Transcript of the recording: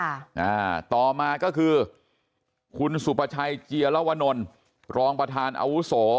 อ่าต่อมาก็คือคุณสุประชัยเจียรวนลรองประธานอาวุโส